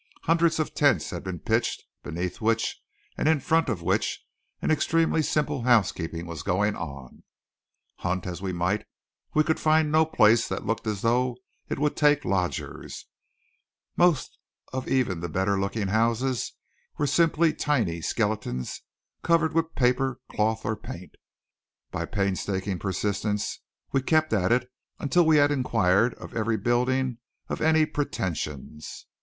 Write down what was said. Hundreds of tents had been pitched, beneath which and in front of which an extremely simple housekeeping was going on. Hunt as we might we could find no place that looked as though it would take lodgers. Most of even the better looking houses were simply tiny skeletons covered with paper, cloth or paint. By painstaking persistence we kept at it until we had enquired of every building of any pretensions.